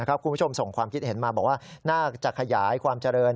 คุณผู้ชมส่งความคิดเห็นมาบอกว่าน่าจะขยายความเจริญ